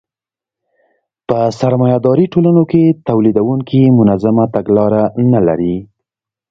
په سرمایه داري ټولنو کې تولیدونکي منظمه تګلاره نلري